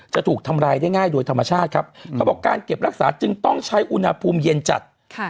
จะถูกทำรายได้ง่ายโดยธรรมชาติครับเขาบอกการเก็บรักษาจึงต้องใช้อุณหภูมิเย็นจัด